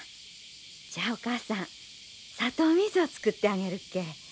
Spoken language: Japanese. じゃあお母さん砂糖水を作ってあげるけえ。